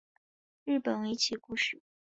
日本围棋故事